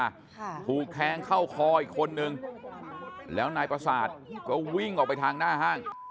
ค่ะถูกแทงเข้าคออีกคนนึงแล้วนายประสาทก็วิ่งออกไปทางหน้าห้าง